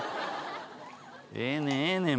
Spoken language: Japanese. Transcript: ええねんええねん